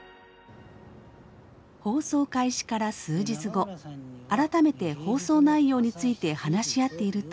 放送開始から数日後改めて放送内容について話し合っていると。